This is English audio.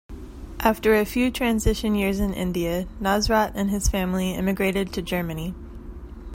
After a few transition years in India, Nasrat and his family immigrated to Germany.